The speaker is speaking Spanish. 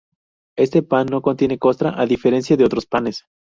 Este pan no contiene costra, a diferencia de otros panes.